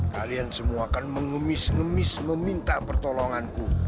kalian semua akan mengemis ngemis meminta pertolonganku